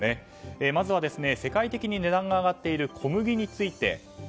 まずは世界的に値段が上がっている小麦について。